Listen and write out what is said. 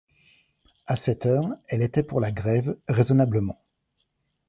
À cette heure, elle était pour la grève, raisonnablement.